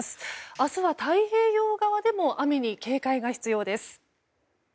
明日は太平洋側でも雨に警戒が必要です。